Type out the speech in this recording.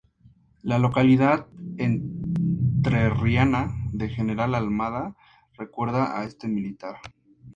La localidad entrerriana de General Almada recuerda a este militar.